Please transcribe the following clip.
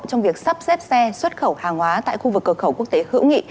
trong việc sắp xếp xe xuất khẩu hàng hóa tại khu vực cửa khẩu quốc tế hữu nghị